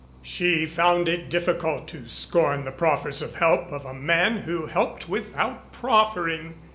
She found it difficult to scorn the proffers of help of a man who helped without proffering.